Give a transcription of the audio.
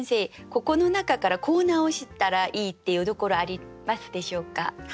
ここの中からこう直したらいいっていうところありますでしょうか？